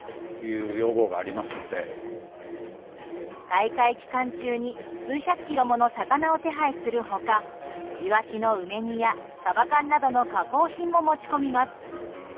大会期間中に数百キロもの魚を手配する他イワシの梅煮やサバ缶などの加工品も持ち込みます。